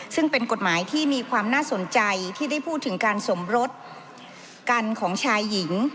ซึ่งเป็นกฎหมายที่มีความน่าสนใจที่ได้พูดถึงการสมรสกันของชายหญิง